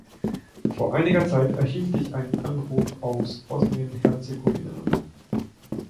Vor einiger Zeit erhielt ich einen Anruf aus Bosnien-Herzegowina.